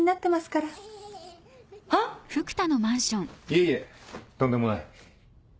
いえいえとんでもない。